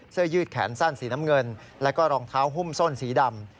ยืดแขนสั้นสีน้ำเงินแล้วก็รองเท้าหุ้มส้นสีดำ